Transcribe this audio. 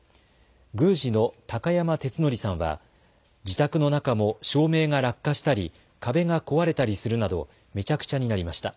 宮司の高山哲典さんは自宅の中も照明が落下したり壁が壊れたりするなどめちゃくちゃになりました。